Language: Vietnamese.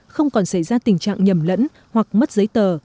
không còn xảy ra tình trạng nhầm lẫn hoặc mất giấy tờ